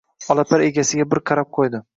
Olapar egasiga bir qarab qo‘ydi